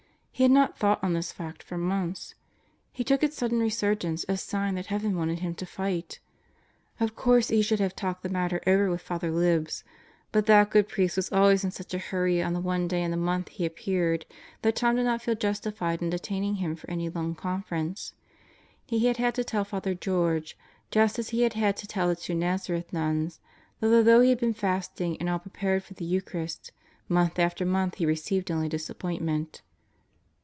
He had not thought on this fact for months. He took its sudden resurgence as sign that heaven wanted him to fight. Of course he should have talked the matter over with Father Libs, but that good priest was always in such a hurry on the one day in the month he appeared that Tom did not feel justified in detaining him for any long conference. He had had to tell Father George just as he had had to tell the two Nazareth nuns that although he had been fasting and all prepared for the Eucharist, month after month he received only disappointment.